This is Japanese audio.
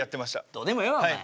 どうでもええわお前。